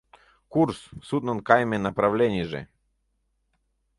Курс — суднын кайме направленийже.